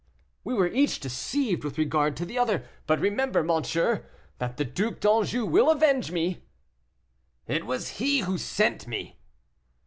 "We were each deceived with regard to the other; but remember, monsieur, that the Duc d'Anjou will avenge me." "It was he who sent me."